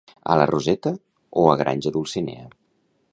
A la Roseta o a Granja Dulcinea?